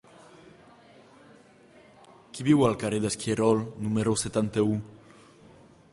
Qui viu al carrer d'Esquirol número setanta-u?